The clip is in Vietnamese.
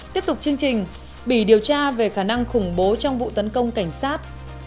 tiếp tục chương trình bỉ điều tra về khả năng khủng bố trong vụ tấn công cảnh sát